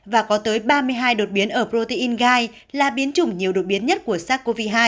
và có tới ba mươi hai đột biến ở protein gai là biến chủng nhiều đột biến nhất của sars cov hai